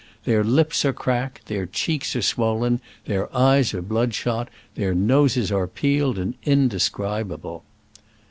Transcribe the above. Their lips are cracked, their cheeks are swollen, their eyes are bloodshot, their noses are peeled and indescribable.